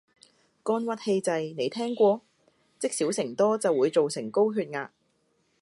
肝鬱氣滯，你聽過？積少成多就會做成高血壓